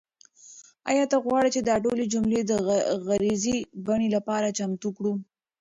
آیا ته غواړې چې دا ټولې جملې د غږیزې بڼې لپاره چمتو کړم؟